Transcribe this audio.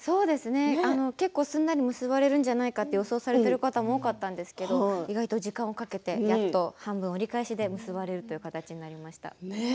結構すんなり結ばれると予想されている方が多かったんですけど結構、時間をかけて半分折り返した時に結ばれるということなりました。